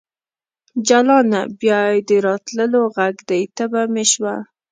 جلانه ! بیا یې د راتللو غږ دی تبه مې شوه